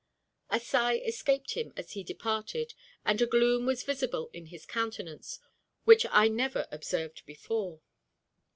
A sigh escaped him as he departed, and a gloom was visible in his countenance which I never observed before.